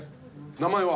名前は？